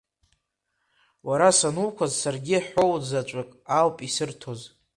Уара сануқәлаз саргьы ҳәоу заҵәык ауп исырҭоз.